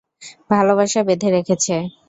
ভালোবাসা বেঁধে রেখেছে।